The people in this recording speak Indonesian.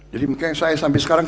jadi saya sampai sekarang